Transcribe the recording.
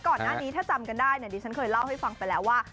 ก่อนหน้านี้ถ้าจำกันได้เนี่ยดิฉันเคยเล่าให้ฟังไปแล้วว่า